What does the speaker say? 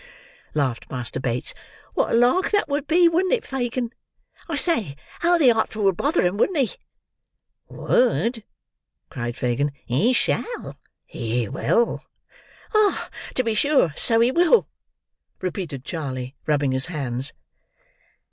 laughed Master Bates, "what a lark that would be, wouldn't it, Fagin? I say, how the Artful would bother 'em wouldn't he?" "Would!" cried Fagin. "He shall—he will!" "Ah, to be sure, so he will," repeated Charley, rubbing his hands.